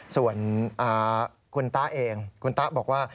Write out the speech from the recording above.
ส่วนคุณตะเองคุณตะบอกว่า